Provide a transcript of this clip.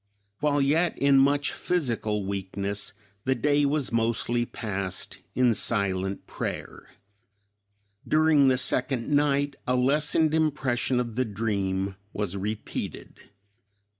While yet in much physical weakness the day was mostly passed in silent prayer. During the second night a lessened impression of the dream was repeated.